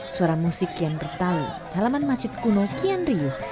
suara musik kian bertalu halaman masjid kuno kian riuh